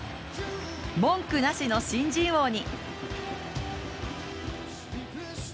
文句なしの新人王に。